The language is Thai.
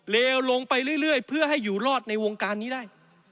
เลวลงไปเรื่อยเพื่อให้อยู่รอดในวงการนี้ได้